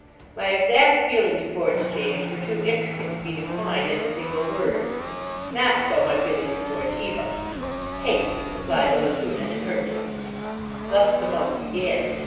My exact feelings towards James were too intricate to be defined in a single word. Not so my feelings towards Eva. "Hate" supplied the lacuna in her case. Thus the month began.